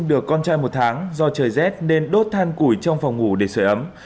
được con trai một tháng do trời rét nên đốt than củi trong phòng ngủ để sửa ấm